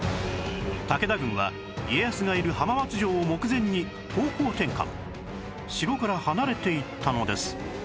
武田軍は家康がいる浜松城を目前に方向転換城から離れていったのです